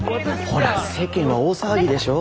ほら世間は大騒ぎでしょ。